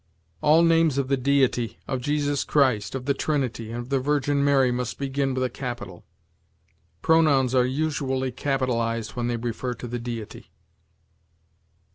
All names of the Deity, of Jesus Christ, of the Trinity, and of the Virgin Mary must begin with a capital. Pronouns are usually capitalized when they refer to the Deity.